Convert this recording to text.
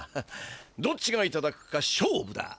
どっちがいただくか勝負だ！